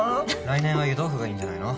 来年は湯豆腐がいいんじゃないの？